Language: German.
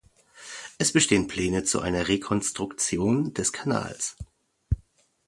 Es bestehen Pläne zu einer Rekonstruktion des Kanals.